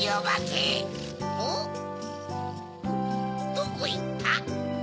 どこいった？